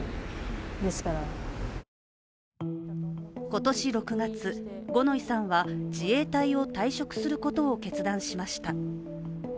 今年６月、五ノ井さんは自衛隊を退職することを決断しました。